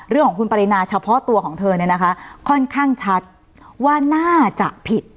เรื่องของคุณปรินาเฉพาะตัวของเธอเนี่ยนะคะค่อนข้างชัดว่าน่าจะผิด